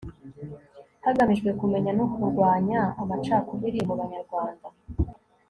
hagamijwe kumenya no kurwanya amacakubiri mu banyarwanda